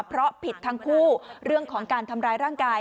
เพราะผิดทั้งคู่เรื่องของการทำร้ายร่างกาย